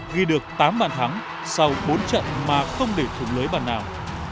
ghi được tám bàn thắng sau bốn trận mà không để thủng lưới bàn nào